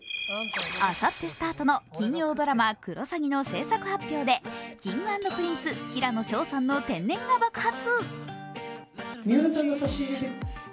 あさってスタートの金曜ドラマ「クロサギ」の制作発表でＫｉｎｇ＆Ｐｒｉｎｃｅ、平野紫耀さんの天然が爆発。